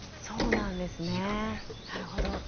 そうなんですねなるほど。